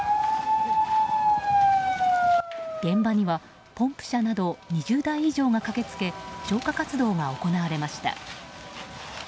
現場にはポンプ車など２０台以上が駆けつけ消火活動が行われました。